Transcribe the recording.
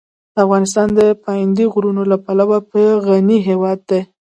افغانستان د پابندي غرونو له پلوه یو غني هېواد دی.